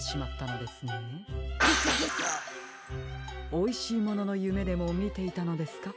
おいしいもののゆめでもみていたのですか？